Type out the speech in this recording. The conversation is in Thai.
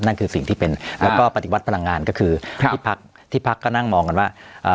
นั่นคือสิ่งที่เป็นแล้วก็ปฏิวัติพลังงานก็คือครับที่พักที่พักก็นั่งมองกันว่าเอ่อ